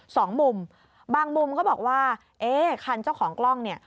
สองมุมบางมุมก็บอกว่าเอ๊ะคันเจ้าของกล้องเนี่ย